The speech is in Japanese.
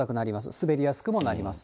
滑りやすくもなります。